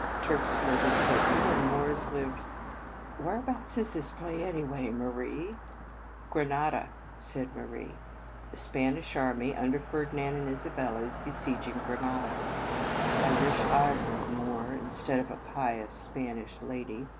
" Turks live in Turkey, and Moors live Where abouts is this play, anyway, Marie ?" "Granada," said Marie. "The Spanish army, under Ferdinand and Isabella, is besieging Granada. I wish I were a Moor instead of a pious Span ish lady.